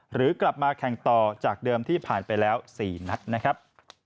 หรือกลับมาแข่งต่อจากเดิมที่ผ่านไปแล้ว๔นัดนะครับ